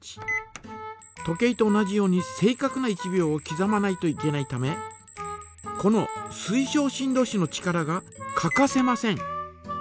時計と同じように正かくな１秒をきざまないといけないためこの水晶振動子の力が欠かせません。